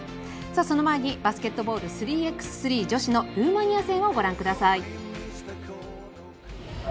その前にバスケットボール３ｘ３女子のルーマニア戦をご覧ください。